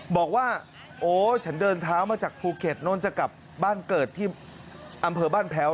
บอกว่าโอ้ฉันเดินเท้ามาจากภูเก็ตโน่นจะกลับบ้านเกิดที่อำเภอบ้านแพ้ว